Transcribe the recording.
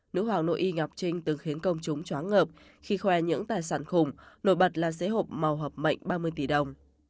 nữ hoàng nội y ngọc trinh từng khiến công chúng chóng ngợp khi khoe những tài sản khủng nổi bật là xế hộp màu hợp mạnh ba mươi tỷ đồng